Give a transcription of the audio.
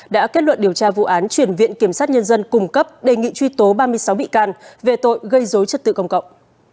đã kết luận điều tra vụ án chuyển viện kiểm sát nhân dân cung cấp đề nghị truy tố ba mươi sáu bị can về tội gây dối trật tự công cộng